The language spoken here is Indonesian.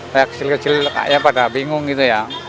saya kecil kecil kayak pada bingung gitu ya